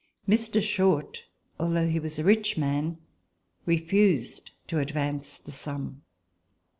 Mr. Short, although he was a rich man, refused to advance the sum.